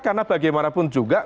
karena bagaimanapun juga